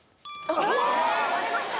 割れました